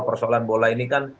persoalan bola ini kan